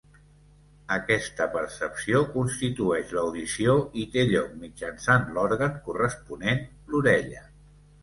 Aquesta percepció constitueix l'audició i té lloc mitjançant l'òrgan corresponent, l'orella.